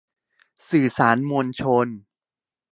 สื่อสารมวลชน